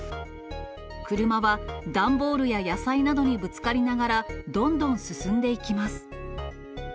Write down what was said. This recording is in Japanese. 車は、段ボールや野菜などにぶつかりながら、どんどん進んでいきます。